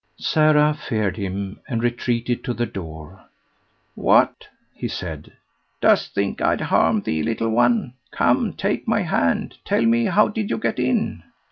Sara feared him, and retreated to the door. "What!" he said; "dost think I'd harm thee, little one? Come, take my hand. Tell me, how did you get in?"